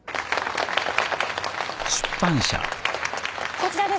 こちらです。